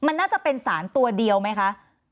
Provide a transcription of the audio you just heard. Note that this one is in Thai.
มันน่าจะเป็นสารตัวเดียวไหมคะ